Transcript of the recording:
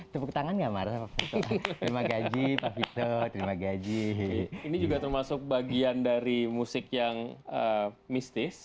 tepuk tangan ya marah terima gaji terima gaji ini juga termasuk bagian dari musik yang mistis